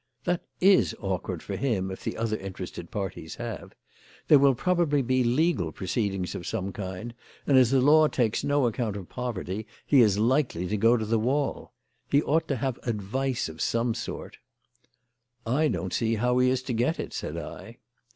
"That is awkward for him if the other interested parties have. There will probably be legal proceedings of some kind, and as the law takes no account of poverty, he is likely to go to the wall. He ought to have advice of some sort." "I don't see how he is to get it," said I.